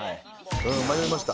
迷いました